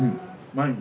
毎日。